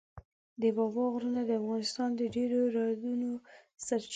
د بابا غرونه د افغانستان د ډېرو رودونو سرچینه جوړوي.